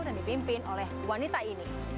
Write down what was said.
dan dipimpin oleh wanita ida